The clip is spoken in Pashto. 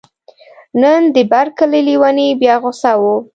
نن د بر کلي لیونی بیا غوسه و